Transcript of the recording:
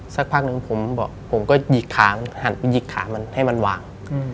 สักพักนึงผมก็หั่นไปหยิกขามันให้มันวาง